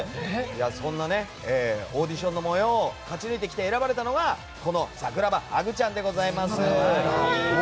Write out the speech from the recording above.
そんなオーディションを勝ち抜いてきて選ばれたのが桜葉ハグちゃんでございます。